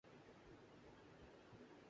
کہہ دیا اس نے خود ہی